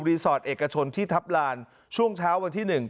รีสอร์ทเอกชนที่ทับลานช่วงเช้าวันที่หนึ่ง